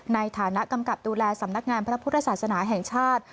ในฐานะกำกับดูแลสำนักงานพระพุทธศาสนาแห่งชาติ